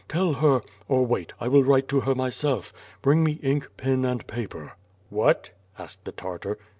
Tell her — or wait — I will write to her myself. Bring me ink, pen, and paper." "What?" asked the Tartar.